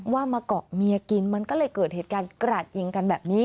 มาเกาะเมียกินมันก็เลยเกิดเหตุการณ์กราดยิงกันแบบนี้